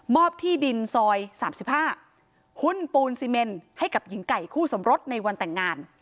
ที่ดินซอย๓๕หุ้นปูนซีเมนให้กับหญิงไก่คู่สมรสในวันแต่งงาน